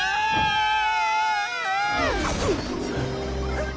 あっ！